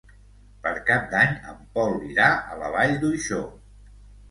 Per Cap d'Any en Pol irà a la Vall d'Uixó.